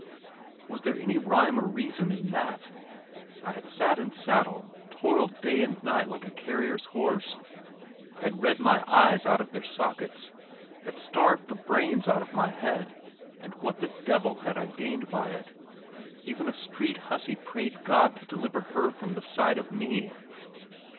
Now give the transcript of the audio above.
Was there any rhyme or reason in that? I had sat in saddle, toiled day and night like a carrier's horse. I had read my eyes out of their sockets, had starved the brains out of my head, and what the devil had I gained by it? Even a street hussy prayed God to deliver her from the sight of me.